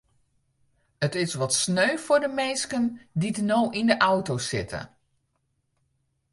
It is wat sneu foar de minsken dy't no yn de auto sitte.